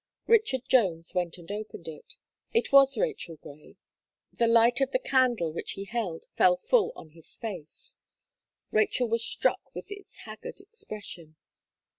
Richard Jones went and opened it; it was Rachel Gray. The light of the candle which he held fell full on his face; Rachel was struck with its haggard expression.